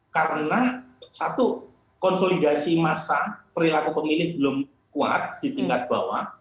karena satu konsolidasi massa perilaku pemilik belum kuat di tingkat bawah